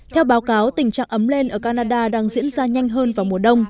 theo báo cáo tình trạng ấm lên ở canada đang diễn ra nhanh hơn vào mùa đông